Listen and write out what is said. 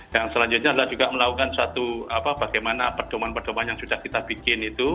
yang selanjutnya adalah juga melakukan suatu bagaimana perdomaan perdomaan yang sudah kita bikin itu